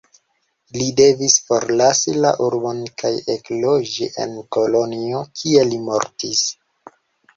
Li devis forlasi la urbon kaj ekloĝi en Kolonjo, kie li mortis.